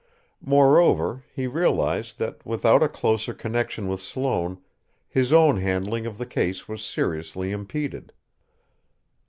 Moreover, he realized that, without a closer connection with Sloane, his own handling of the case was seriously impeded.